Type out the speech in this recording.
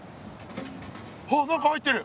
あっ何か入ってる。